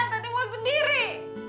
tadi mau sendiri